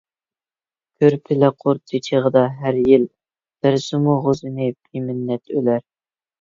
كۆر پىلە قۇرۇتى چېغىدا ھەر يىل، بەرسىمۇ غوزىنى بىمىننەت ئۆلەر.